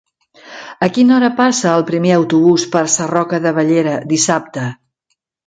A quina hora passa el primer autobús per Sarroca de Bellera dissabte?